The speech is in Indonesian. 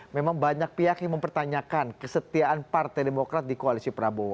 memang banyak pihak yang mempertanyakan kesetiaan partai demokrat di koalisi prabowo